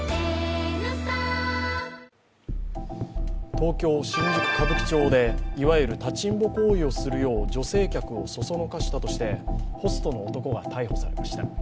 東京・新宿歌舞伎町でいわゆる立ちんぼ行為をするよう女性客をそそのかしたとして、ホストの男が逮捕されました。